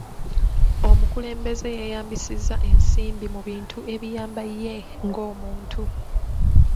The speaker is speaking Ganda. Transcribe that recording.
Omukulembeze yeeyambisizza ensimbi mu bintu ebiyamba ye ng'omuntu.